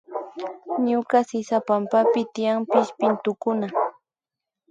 Ñuka sisapampapi tiyan pillpintukuna